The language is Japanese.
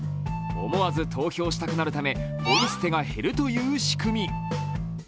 思わず投票したくなるためポイ捨てが減るという仕組み。